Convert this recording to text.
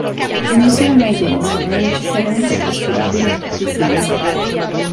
Un insieme mai denso non è necessariamente trascurabile in tutti i sensi.